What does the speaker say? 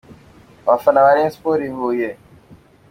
Abafana ba Rayon Sports i Huye .